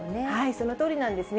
そのとおりなんですね。